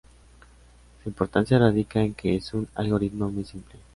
Su importancia radica en que es un algoritmo muy simple.